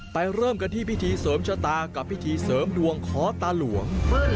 เริ่มกันที่พิธีเสริมชะตากับพิธีเสริมดวงขอตาหลวง